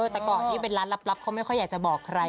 แต่ก่อนที่เป็นร้านลับเขาไม่ค่อยอยากจะบอกใคร